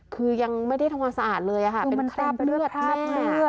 คือยังไม่ได้ทั้งความสะอาดเลยค่ะเป็นคราบเลือดแม่